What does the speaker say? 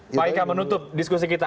pak ika menutup diskusi kita